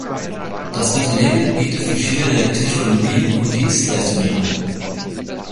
Das Unternehmen bietet verschiedene Technologien und Dienstleistungen an.